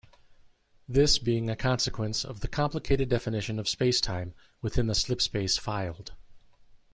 This being a consequence of the complicated definition of space-time within the slipspace filed.